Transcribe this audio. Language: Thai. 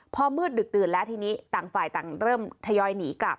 พอมืดดึกตื่นแล้วทีนี้ต่างฝ่ายต่างเริ่มทยอยหนีกลับ